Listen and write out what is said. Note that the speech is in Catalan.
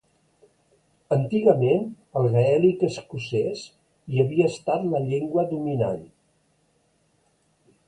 Antigament el gaèlic escocès hi havia estat la llengua dominant.